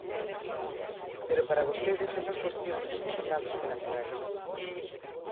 Pero para vostedes esas cuestións son danos colaterais.